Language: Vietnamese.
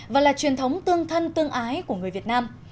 và là truyền thống tương thân tương ái của người việt nam